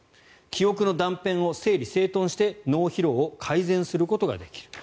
記憶の断片を整理整頓して脳疲労を改善することができる。